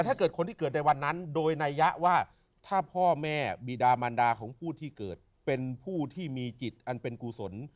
ถ้าเกิดคนที่เกิดในวันนั้นโดยนัยยะว่าถ้าพ่อแม่บีดามันดาของผู้ที่เกิดเป็นผู้ที่มีจิตอันเป็นกุศล